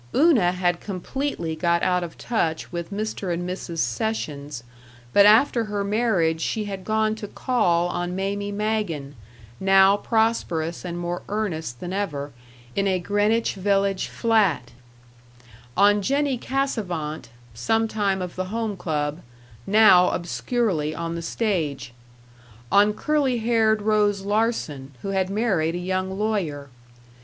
Una had completely got out of touch with Mr. and Mrs. Sessions, but after her marriage she had gone to call on Mamie Magen, now prosperous and more earnest than ever, in a Greenwich Village flat; on Jennie Cassavant, sometime of the Home Club, now obscurely on the stage; on curly haired Rose Larsen, who had married a young lawyer.